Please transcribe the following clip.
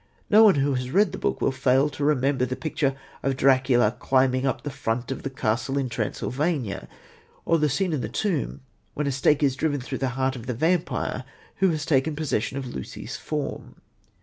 No one who has read the book will fail to remember the picture of Dracula climbing up the front of the castle in Transylvania, or the scene in the tomb when a stake is driven through the heart of the vampire who has taken possession of Lucy's form.